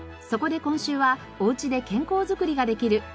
そこで今週はおうちで健康づくりができる